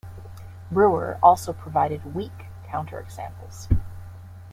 Brouwer also provided "weak" counterexamples.